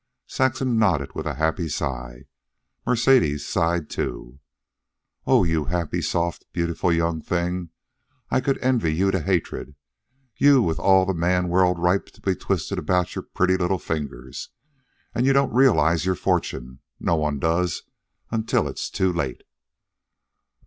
Saxon nodded with a happy sigh. Mercedes sighed, too. "Oh, you happy, soft, beautiful young thing. I could envy you to hatred you with all the man world ripe to be twisted about your pretty little fingers. And you don't realize your fortune. No one does until it's too late."